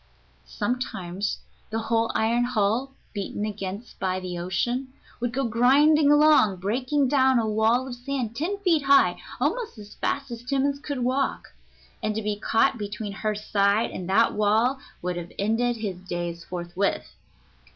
Sometimes the whole iron hull, beaten against by the ocean, would go grinding along, breaking down a wall of sand ten feet high, almost as fast as Timmans could walk. And to be caught between her side and that wall would have ended his days forthwith.